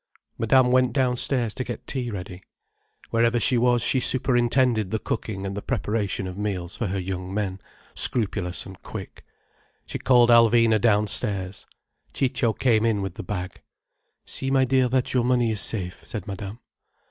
Madame went downstairs to get tea ready. Wherever she was, she superintended the cooking and the preparation of meals for her young men, scrupulous and quick. She called Alvina downstairs. Ciccio came in with the bag. "See, my dear, that your money is safe," said Madame.